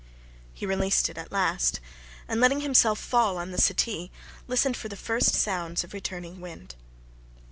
He released it at last, and letting himself fall on the settee, listened for the first sounds of returning wind.